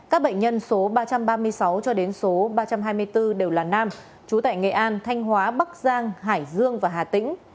các bệnh nhân số ba trăm ba mươi sáu cho đến số ba trăm hai mươi bốn đều là nam trú tại nghệ an thanh hóa bắc giang hải dương và hà tĩnh